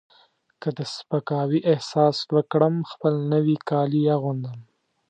که د سپکاوي احساس وکړم خپل نوي کالي اغوندم.